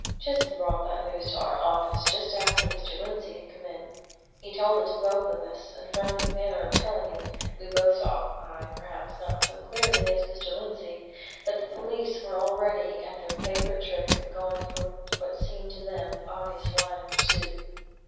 Chisholm brought that news to our office, just after Mr. Lindsey had come in. He told it to both of us; and from his manner of telling it, we both saw I, perhaps, not so clearly as Mr. Lindsey that the police were already at their favourite trick of going for what seemed to them the obvious line of pursuit.